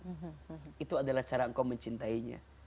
dan bagian juga cara engkau mencintainya